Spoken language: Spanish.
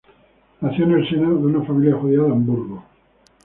Nació en el seno de una familia judía de Hamburgo.